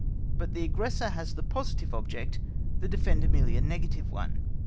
But the aggressor has the positive object, the defender merely a negative one.